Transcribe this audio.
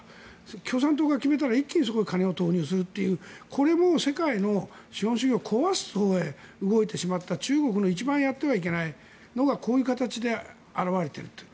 共産党が決めたら一気にそこに金を投入するというこれも世界の資本主義を壊すほうへ動いてしまった中国の一番やってはいけないのがこういう形で表れているという。